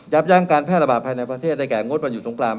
ยั้งการแพร่ระบาดภายในประเทศได้แก่งดวันอยู่สงคราม